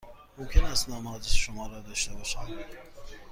ممکن است نام و آدرس شما را داشته باشم؟